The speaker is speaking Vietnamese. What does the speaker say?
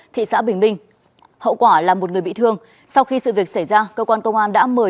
thị xã bình minh hậu quả là một người bị thương sau khi sự việc xảy ra cơ quan công an đã mời